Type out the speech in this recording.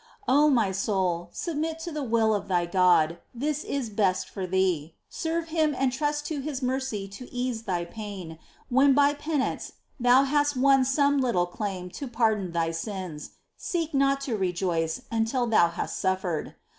5. O my soul, submit to the will of thy God : this is best for thee : serve Him and trust to His mercy to ease thy pain, when by penance thou hast won some little EXCLAMATIONS. 87 claim to pardon for thy sins : seek not to rejoice until thou hast suffered